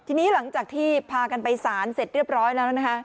ทีนี้หลังจากที่พากันไปสารเสร็จเรียบร้อยแล้วนะคะ